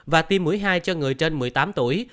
và tiêm mũi hai cho người trên một mươi tám tuổi